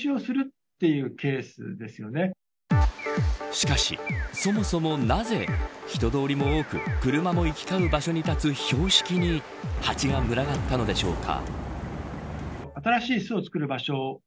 しかし、そもそもなぜ人通りも多く、車も行き交う場所に立つ標識に蜂が群がったのでしょうか。